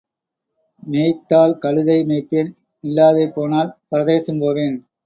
மேய்த்தால் கழுதை மேய்ப்பேன், இல்லாதேபோனால் பரதேசம் போவேன்.